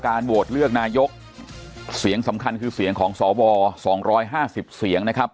การโหวตเลือกนายกเสียงสำคัญคือเสียงของสวสองร้อยห้าสิบเสียงนะครับ